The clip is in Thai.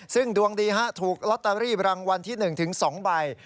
ซึ่งดวงดีถูกลอตเตอรี่รางวัลที่๑๒ใบ